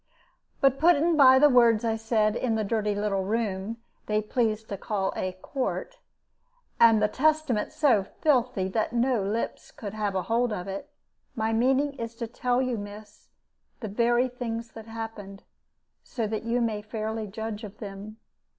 "But putting by the words I said in the dirty little room they pleased to call a 'court,' and the Testament so filthy that no lips could have a hold of it, my meaning is to tell you, miss, the very things that happened, so that you may fairly judge of them.